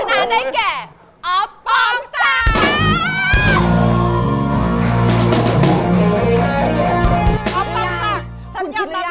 อ่าบอย